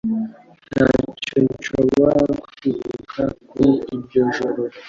Ntacyo nshobora kwibuka kuri iryo joro.